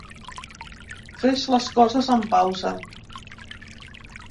Fer les coses amb pausa.